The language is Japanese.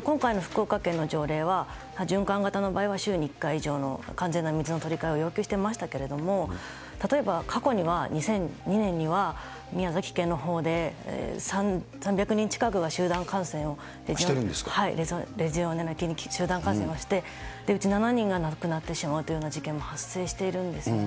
今回の福岡県の条例は循環型の場合、週に１回、完全な水の取り換えを要求していましたけれども、例えば過去には２００２年には宮崎県のほうで３００人近くが集団感染をレジオネラ菌で集団感染をして、うち７人が亡くなってしまうというような事件も発生しているんですよね。